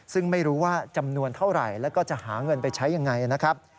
ซึ่งไม่รู้ว่าจำนวนเท่าไหร่แล้วก็จะหาเงินไปใช้ยังไงนะครับ